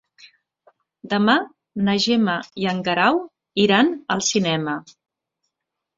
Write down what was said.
Demà na Gemma i en Guerau iran al cinema.